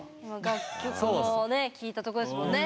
楽曲もね聴いたとこですもんね！